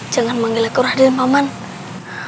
jangan manggil aku raden pemanah